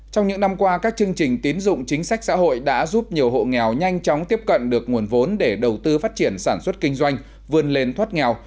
trong những năm qua các chương trình tiến dụng chính sách xã hội đã giúp nhiều hộ nghèo nhanh chóng tiếp cận được nguồn vốn để đầu tư phát triển sản xuất kinh doanh vươn lên thoát nghèo